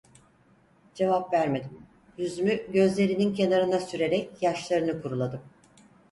Cevap vermedim, yüzümü gözlerinin kenarına sürerek yaşlarını kuruladım.